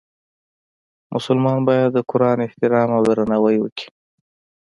مسلمان باید د قرآن احترام او درناوی وکړي.